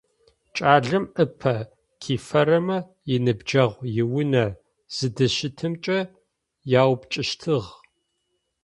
Кӏалэм ыпэ кифэрэмэ иныбджэгъу иунэ зыдыщытымкӏэ яупчӏыщтыгъ.